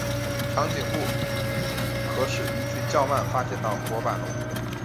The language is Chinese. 长颈部可使鱼群较慢发现到薄板龙。